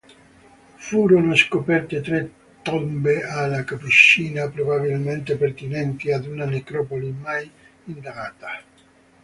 Furono scoperte tre tombe alla cappuccina, probabilmente pertinenti ad una necropoli mai indagata.